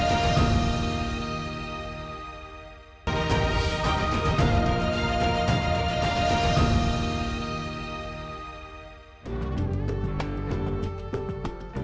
dikumpulkan dengan pembawaan pembawaan pembawaan